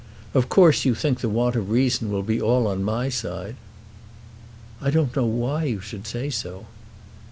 "Of course you think the want of reason will be all on my side." "I don't know why you should say so."